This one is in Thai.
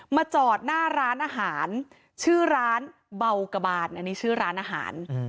จอดหน้าร้านอาหารชื่อร้านเบากระบานอันนี้ชื่อร้านอาหาร